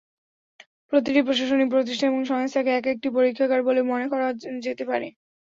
প্রতিটি প্রশাসনিক প্রতিষ্ঠান এবং সংস্থাকে এক একটি পরীক্ষাগার গলে বলে মনে করা যেতে পারে।